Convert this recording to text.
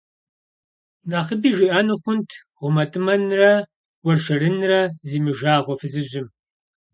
Нэхъыби жиӀэну хъунт гъумэтӀымэнрэ уэршэрынрэ зимыжагъуэ фызыжьым.